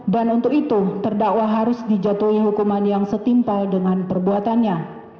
dan untuk itu terdakwa harus dijatuhi hukuman yang setimpal dengan perbuatannya